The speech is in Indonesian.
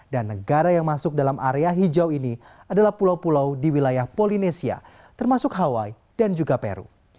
dan negara yang masuk dalam area hijau ini adalah pulau pulau di wilayah polinesia termasuk hawaii dan juga peru